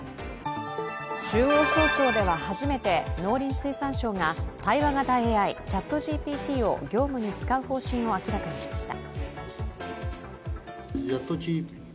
中央省庁では初めて農林水産省が対話型ＡＩ、ＣｈａｔＧＰＴを業務に使う方針を明らかにしました。